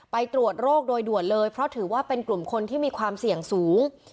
ไปตรวจโรคโดยด่วนเลยเพราะถือว่าเป็นกลุ่มคนที่มีความเสี่ยงสูง